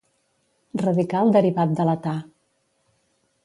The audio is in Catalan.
Radical derivat de l'età.